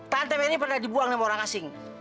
tante meri pernah dibuang sama orang asing